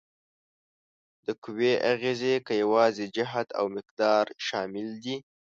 د قوې اغیزې کې یوازې جهت او مقدار شامل دي؟